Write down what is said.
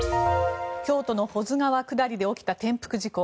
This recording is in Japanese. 京都の保津川下りで起きた転覆事故。